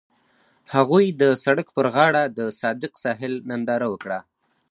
هغوی د سړک پر غاړه د صادق ساحل ننداره وکړه.